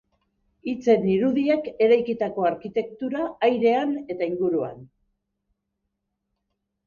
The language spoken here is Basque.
Hitzen irudiak eraikitako arkitektura airean eta inguruan.